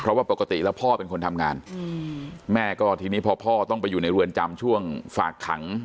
เพราะว่าปกติแล้วพ่อเป็นคนทำงานแม่ก็ทีนี้พอพ่อต้องไปอยู่ในเรือนจำช่วงฝากขัง